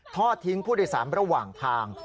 ทอดทิ้งผู้โดยสารระหว่างทาง